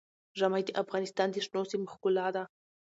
ژمی د افغانستان د شنو سیمو ښکلا ده.